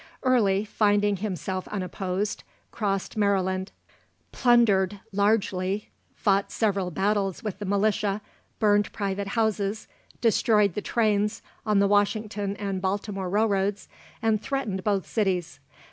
Early, finding himself unopposed, crossed Maryland, plundered largely, fought several battles with the militia, burned private houses, destroyed the trains on the Washington and Baltimore railroads, and threatened both cities.